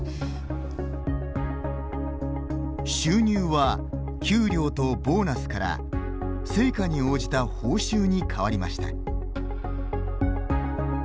収入は給料とボーナスから成果に応じた報酬に変わりました。